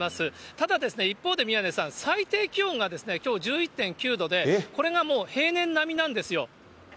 ただですね、一方で宮根さん、最低気温がきょう、１１．９度で、これがもう平年並みなんですよ。